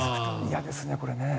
嫌ですね、これね。